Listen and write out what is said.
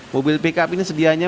mobil pickup ini sedianya